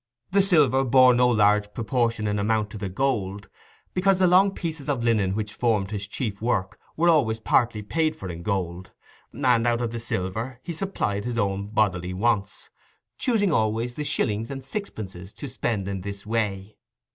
The silver bore no large proportion in amount to the gold, because the long pieces of linen which formed his chief work were always partly paid for in gold, and out of the silver he supplied his own bodily wants, choosing always the shillings and sixpences to spend in this way.